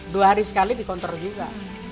dua hari sekali dikontrol juga